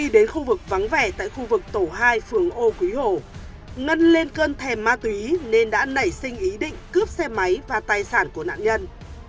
đến khu vực vắng vẻ tại khu vực tổ hai phường ô quý hồ ngân lên cơn thèm ma túy nên đã nảy sinh ý định cướp xe máy và tài sản của nạn nhân